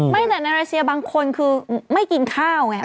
ไม่ใช่สังเจฬิกแจ้งบางคนคือไม่กินข้าวไง